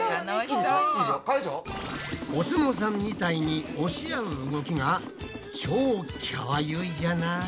お相撲さんみたいに押し合う動きが超きゃわゆいじゃない。